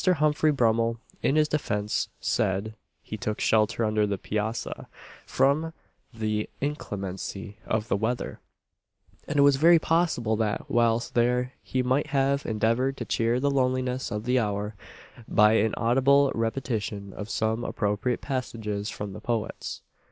Humphrey Brummel in his defence said, he took shelter under the Piazza from the inclemency of the weather: and it was very possible that, whilst there, he might have endeavoured to cheer the loneliness of the hour by an audible repetition of some appropriate passages from the poets.